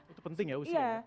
itu penting ya usianya